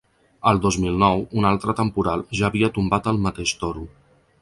El dos mil nou, un altre temporal ja havia tombat el mateix toro.